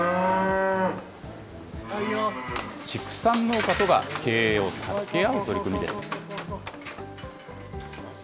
畜産農家とが経営を助け合う取り組みです。